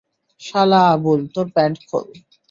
শালা আবুল, তোর প্যান্ট খোল।